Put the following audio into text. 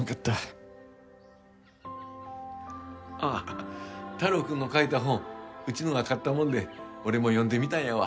あっ太郎くんの書いた本うちのが買ったもんで俺も読んでみたんやわ。